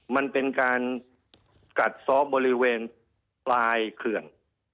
มันเป็นการกัดซ้อบริเวณปลายเขื่อน